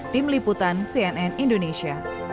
tim liputan cnn indonesia